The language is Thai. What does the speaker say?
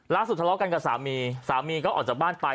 ทะเลาะกันกับสามีสามีก็ออกจากบ้านไป